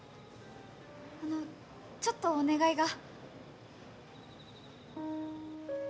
あのちょっとお願いが。